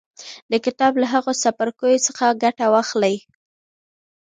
د کتاب له هغو څپرکو څخه ګټه واخلئ